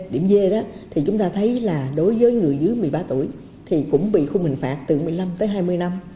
điểm d đó thì chúng ta thấy là đối với người dưới một mươi ba tuổi thì cũng bị khung hình phạt từ một mươi năm tới hai mươi năm